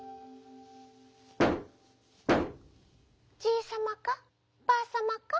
「じいさまかばあさまか」。